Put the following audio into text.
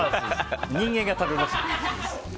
人間が食べましょう。